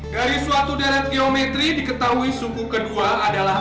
dari suatu deret geometri diketahui suku kedua adalah